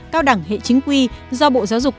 cao đẳng hệ chính quy do bộ giáo dục